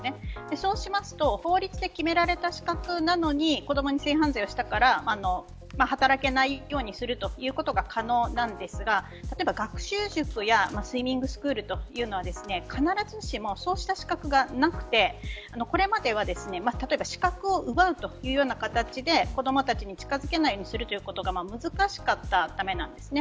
そうしますと、法律で決められた資格なのに、子どもに性犯罪をしたから働けないようにするということが可能なんですが例えば学習塾やスイミングスクールというのは必ずしもそうした資格がなくてこれまでは、例えば資格を奪うというような形で子どもたちに近づけないようにするということが難しかったためなんですね。